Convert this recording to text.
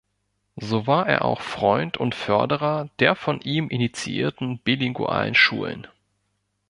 So war er auch Freund und Förderer der von ihm initiierten bilingualen Schulen.